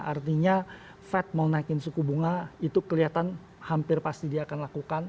artinya fed mau naikin suku bunga itu kelihatan hampir pasti dia akan lakukan